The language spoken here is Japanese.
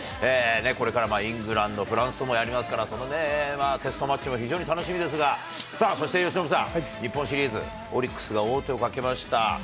これからイングランド、フランスともやりますから、そのテストマッチも非常に楽しみですが、さあ、そして由伸さん、日本シリーズ、オリックスが王手をかけました。